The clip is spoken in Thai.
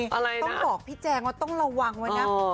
อะไรต้องบอกพี่แจงว่าต้องระวังไว้นะ